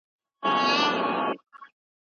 ایا ستا ذهن د نویو معلوماتو د منلو وړتیا لري؟